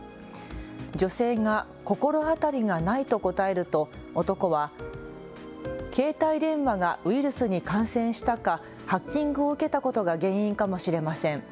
女性が心当たりがないと答えると男は携帯電話がウイルスに感染したかハッキングを受けたことが原因かもしれません。